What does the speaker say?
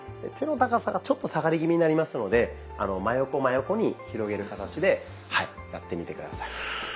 手の高さがちょっと下がり気味になりますので真横真横に広げる形でやってみて下さい。